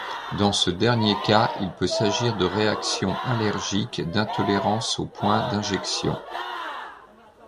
Dans ce dernier cas, il peut s'agir de réactions allergiques, d'intolérance au point d'injection.